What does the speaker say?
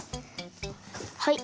はい。